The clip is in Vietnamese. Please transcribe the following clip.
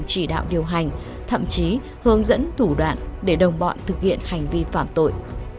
chỉ đạo điều hành thậm chí hướng dẫn thủ đoạn để đồng bọn thực hiện hành vi phạm tội